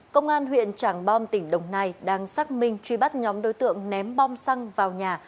công an huyện trảng bom tỉnh đồng nai đang xác minh truy bắt nhóm đối tượng ném bom xăng vào nhà